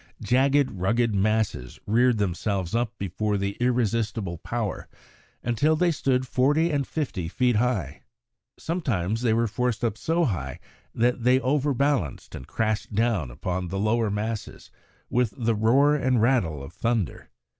Jagged, rugged masses reared themselves up before the irresistible power, until they stood forty and fifty feet high. Sometimes they were forced up so high that they overbalanced and crashed down upon the lower masses with the roar and rattle of thunder.